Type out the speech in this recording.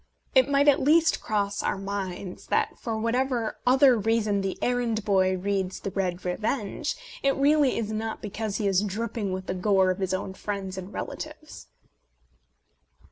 It might at least cross our minds that, for whatever other reason the errand boy reads " The Red Revenge," it really is not because he is dripping with the gore of his own friends and relatives.